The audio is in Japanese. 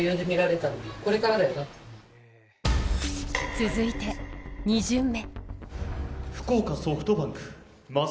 続いて、２巡目。